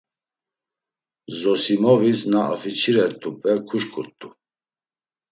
Zosimovis na afiçirert̆upe kuşǩurt̆u.